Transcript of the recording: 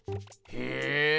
へえ。